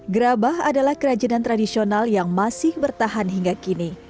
gerabah adalah kerajinan tradisional yang masih bertahan hingga kini